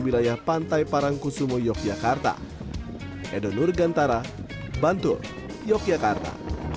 wilayah pantai parangkusumo yogyakarta edo nurgantara bantul yogyakarta